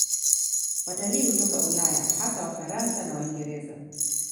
Watalii hutoka Ulaya, hasa Wafaransa na Waingereza.